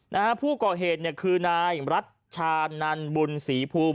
นะฮะผู้ก่อเหตุเนี่ยคือนายรัชชานันบุญศรีภูมิ